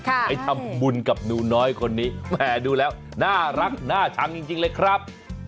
ไปทำบุญกับหนูน้อยคนนี้แหมดูแล้วน่ารักน่าชังจริงเลยครับ